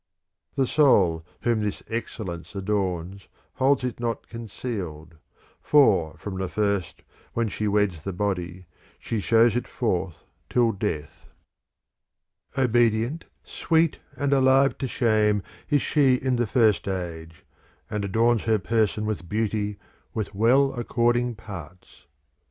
VII The soul whom this excellence adorns, holds it not concealed ; for, from the first when she weds the body, she shews it forth till death. THE FOURTH TREATISE 227 Obedient, sweet and alive to shame, is she in the first age; and adorns her person with beauty with well according parts.